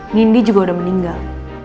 nindi juga udah meninggal